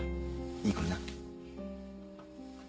いい子にな。